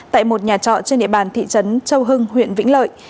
tại một nhà trọ trên địa bàn thị trấn châu hưng huyện vĩnh lợi